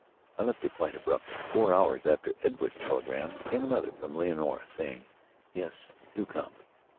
I left it quite abruptly. Four hours after Edward's telegram came another from Leonora, saying: "Yes, do come.